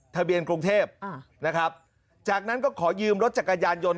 ทะเบียนกรุงเทพนะครับจากนั้นก็ขอยืมรถจักรยานยนต์